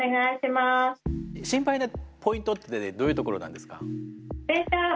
心配なポイントってどういうところなんですか？